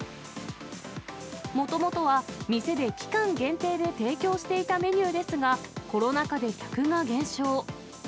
もともとは店で期間限定で提供していたメニューですが、コロナ禍で客が減少。